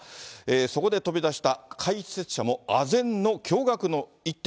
そこで飛び出した解説者もあぜんの驚がくの一手。